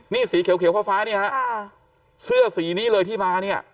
นี่สีเขียวฟ้าฟ้านี่ฮะเสื้อสีนี้เลยที่มาเนี่ย